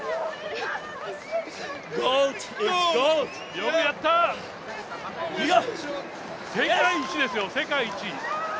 よくやった、世界一ですよ、世界一。